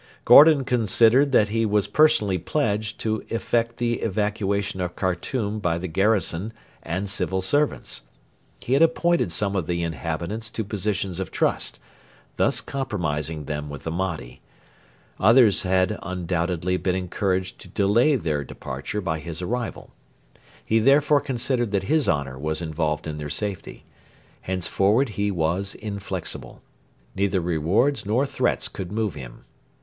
Gordon considered that he was personally pledged to effect the evacuation of Khartoum by the garrison and civil servants. He had appointed some of the inhabitants to positions of trust, thus compromising them with the Mahdi. Others had undoubtedly been encouraged to delay their departure by his arrival. He therefore considered that his honour was involved in their safety. Henceforward he was inflexible. Neither rewards nor threats could move him.